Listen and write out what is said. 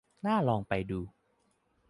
น่าลองไปดู